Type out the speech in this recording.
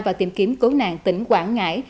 và tìm kiếm cố nạn tỉnh quảng ngãi